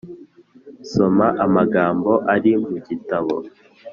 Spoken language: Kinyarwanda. soma amagambo ari mu gitabo